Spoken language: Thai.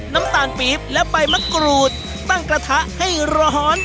น้ำตาลปี๊บและใบมะกรูดตั้งกระทะให้ร้อน